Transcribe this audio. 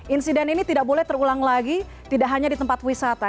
insiden ini tidak boleh terulang lagi tidak hanya di tempat wisata